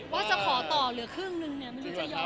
ว่าจะขอต่อเหลือครึ่งนึงเนี่ยไม่รู้จะยอม